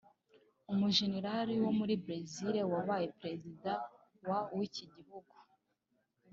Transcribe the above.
umujenerali wo muri Bresil wabaye perezida wa w’iki gihugu